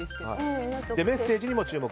メッセージにも注目。